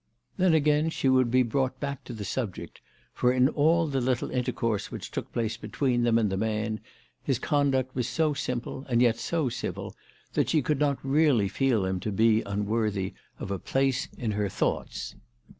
Then again she would be brought bafck to the subject ; for in all the little intercourse which took place between them and the man, his conduct was so simple and yet so civil, that she could not really feel him to be unworthy 280 THE TELEGRAPH GIRL. of a place in her thoughts.